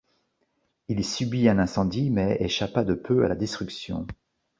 Il subit un incendie mais échappa de peu à la destruction.